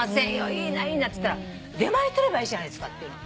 いいないいなっつったら「出前取ればいいじゃないですか」って言うの。